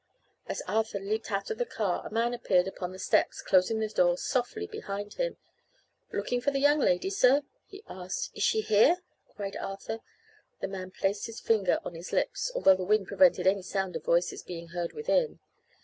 As Arthur leaped out of the car a man appeared upon the steps, closing the door softly behind him. "Looking for the young lady, sir?" he asked. "Is she here?" cried Arthur. The man placed his finger on his lips, although the wind prevented any sound of voices being heard within.